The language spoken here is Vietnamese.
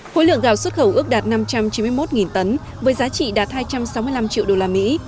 khối lượng gạo xuất khẩu ước đạt năm trăm chín mươi một tấn với giá trị đạt hai trăm sáu mươi năm triệu đô la mỹ